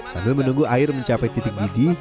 sambil menunggu air mencapai titik didih